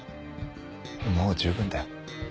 もう十分だよ。